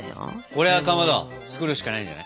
これはかまど作るしかないんじゃない？